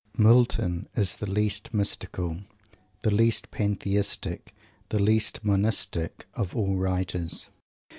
Milton is the least mystical, the least pantheistic, the least monistic, of all writers.